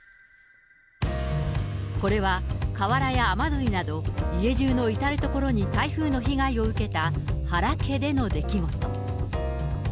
これは、瓦や雨どいなど、家中の至る所に台風の被害を受けた原家での出来事。